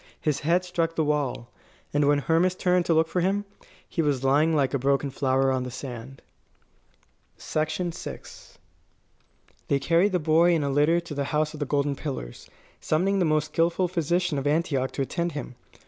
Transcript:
His head struck the wall. And when Hermas turned to look for him, he was lying like a broken flower on the sand. VI They carried the boy in a litter to the House of the Golden Pillars, summoning the most skilful physician of Antioch to attend him.